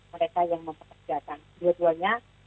mereka yang memperkerjakan kedua duanya